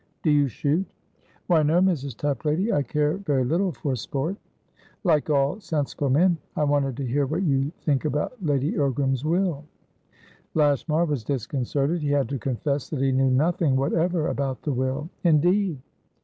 "Do you shoot?" "Why no, Mrs. Toplady. I care very little for sport." "Like all sensible men. I wanted to hear what you think about Lady Ogram's will." Lashmar was disconcerted. He had to confess that he knew nothing whatever about the will. "Indeed?